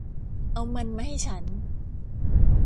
เอามันมาให้ฉัน